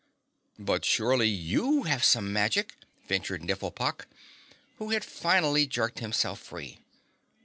"But surely YOU have some magic?" ventured Nifflepok, who had finally jerked himself free.